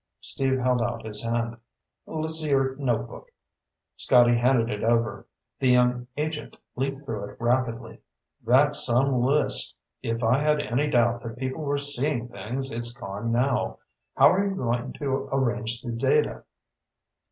Steve held out his hand. "Let's see your notebook." Scotty handed it over. The young agent leafed through it rapidly. "That's some list. If I had any doubt that people were seeing things, it's gone now. How are you going to arrange the data?"